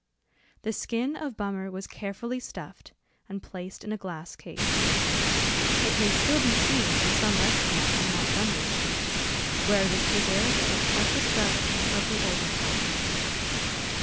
The skin of Bummer was carefully stuffed, and placed in a glass case. It may still be seen in some restaurant on Montgomery Street, where it is preserved as a precious relic of the olden time.